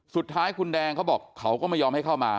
สุดท้ายคุณแดงเขาบอกเขาก็ไม่ยอมให้เข้ามา